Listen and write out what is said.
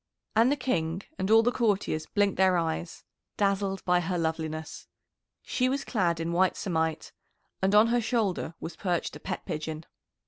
And the King and all the courtiers blinked their eyes, dazzled by her loveliness. She was clad in white samite, and on her shoulder was perched a pet pigeon.